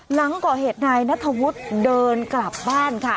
หลังก่อเหตุนายนัทธวุฒิเดินกลับบ้านค่ะ